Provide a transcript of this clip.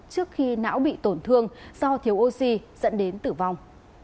trước khi não bị tổn thương do thiếu oxy dẫn đến tử vong